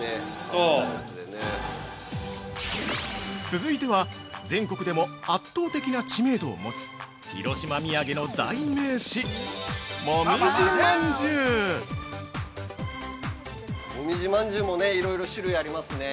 ◆続いては、全国でも圧倒的な知名度を持つ広島みやげの代名詞「もみじ饅頭」◆もみじ饅頭もいろいろ種類ありますね。